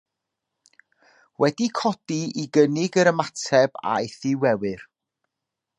Wedi codi i gynnig yr ymateb aeth i wewyr.